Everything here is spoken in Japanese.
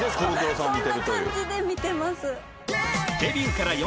そんな感じで見てます。